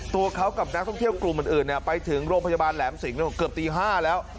ตัวเขากับนักท่องเที่ยวกลุ่มอื่นไปถึงโรงพยาบาลแหลมสิงเกือบตี๕แล้ว